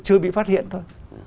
chưa bị phát hiện thôi